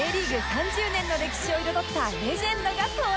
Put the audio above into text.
３０年の歴史を彩ったレジェンドが登場